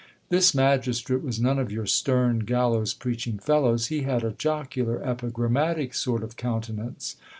This magistrate was none of your stern gal lows preaching fellows, he had a jocular epigrammatic sort of countenance.